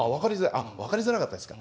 分かりづらかったですか。